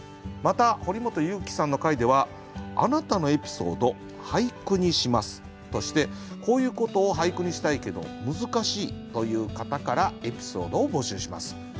また堀本裕樹さんの回では「あなたのエピソード、俳句にします」としてこういうことを俳句にしたいけど難しいという方からエピソードを募集します。